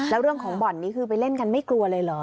แล้วเรื่องของบ่อนนี้คือไปเล่นกันไม่กลัวเลยเหรอ